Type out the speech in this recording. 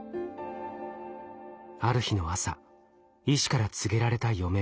ある日の朝医師から告げられた余命。